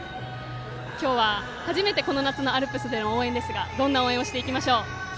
今日は、初めてこの夏のアルプスでの応援ですがどんな応援をしていきましょう？